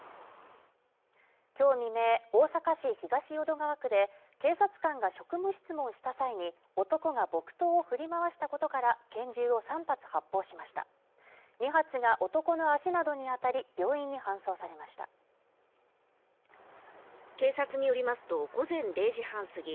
今日未明、大阪市東淀川区で警察官が職務質問した際に男が木刀を振り回したことから拳銃を３発発砲しました２月が男の脚などに当たり病院に搬送されました警察によりますと午前０時半過ぎ